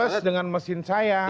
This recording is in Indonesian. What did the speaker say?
plus dengan mesin saya